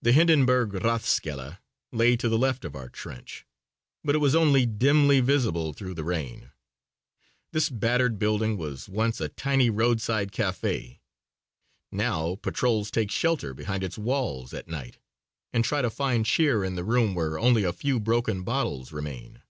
The Hindenburg Rathskeller lay to the left of our trench, but it was only dimly visible through the rain. This battered building was once a tiny roadside café. Now patrols take shelter behind its walls at night and try to find cheer in the room where only a few broken bottles remain.